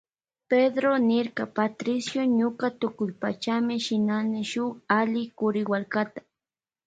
Pedró niyrka Patricio ñuka tukuypachami shinani shuk alli kuriwallkata.